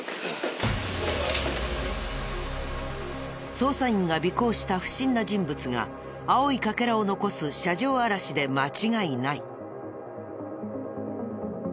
捜査員が尾行した不審な人物が青い欠片を残す車上荒らしで間違いない。